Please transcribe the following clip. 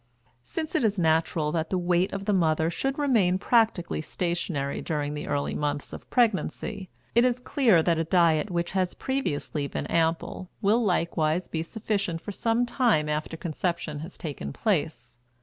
Since it is natural that the weight of the mother should remain practically stationary during the early months of pregnancy, it is clear that a diet which has previously been ample will likewise be sufficient for some time after conception has taken place.